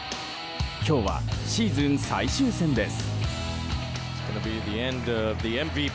今日は、シーズン最終戦です。